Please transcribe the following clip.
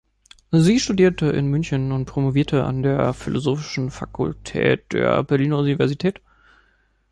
Sie studierte in München und promovierte an der Philosophischen Fakultät der Berliner Universität.